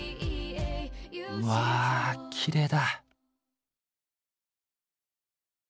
うわきれいだ！